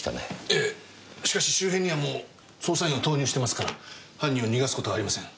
ええしかし周辺にはもう捜査員を投入してますから犯人を逃がすことはありません。